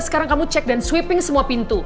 sekarang kamu cek dan sweeping semua pintu